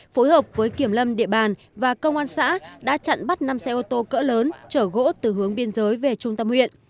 phối hợp với kiểm lâm địa bàn và công an xã đã chặn bắt năm xe ô tô cỡ lớn chở gỗ từ hướng biên giới về trung tâm huyện